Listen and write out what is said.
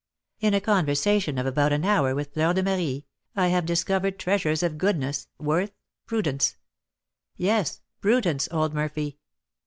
In a conversation of about an hour with Fleur de Marie, I have discovered treasures of goodness, worth, prudence, yes, prudence, old Murphy.